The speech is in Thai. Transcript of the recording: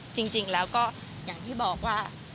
จริงแล้วก็อย่างที่บอกว่า